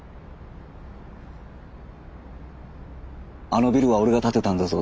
「あのビルは俺が建てたんだぞ」